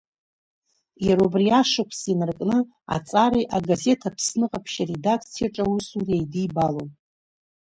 Иара убри ашықәс инаркны аҵареи агазеҭ Аԥсны Ҟаԥшь аредакциаҿы аусуреи еидибалон.